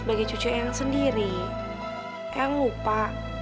sebagai cucu yang sendiri yang lupa